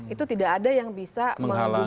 itu tidak ada yang bisa